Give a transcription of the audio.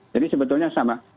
jadi sebetulnya sama